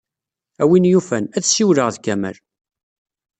A win yufan, ad ssiwleɣ ed Kamal.